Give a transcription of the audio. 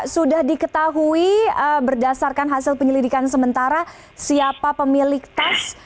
sudah diketahui berdasarkan hasil penyelidikan sementara siapa pemilik tes